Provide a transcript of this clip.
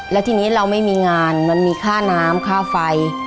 แล้วทีนี้เราไม่มีงานมันมีค่าน้ำค่าไฟ